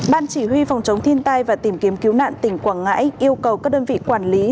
ban chỉ huy phòng chống thiên tai và tìm kiếm cứu nạn tỉnh quảng ngãi yêu cầu các đơn vị quản lý